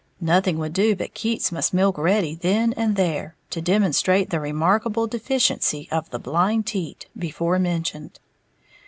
Nothing would do but Keats must milk Reddy then and there, to demonstrate the remarkable deficiency of the "blind teat" before mentioned.